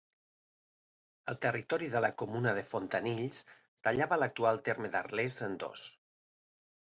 El territori de la comuna de Fontanills tallava l'actual terme d'Arles en dos.